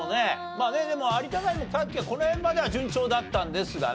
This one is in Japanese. まあでも有田ナインもさっきはこの辺までは順調だったんですがね。